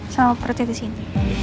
sama perutnya disini